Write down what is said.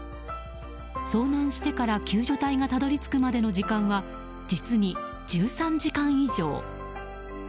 遭難してから救助隊がたどり着くまでの時間は実に１３時間以上。